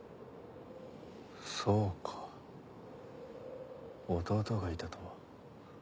そうか弟がいたとは。